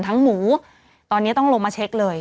หมูตอนนี้ต้องลงมาเช็คเลย